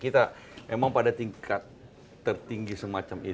kita memang pada tingkat tertinggi semacam ini